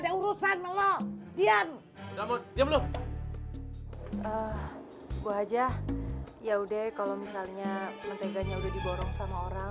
ada urusan lo diam diam lo gue aja ya udah kalau misalnya menteganya udah diborong sama orang